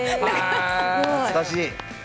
懐かしい。